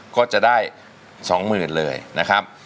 ก็จะได้สองหมื่นเลยนะครับ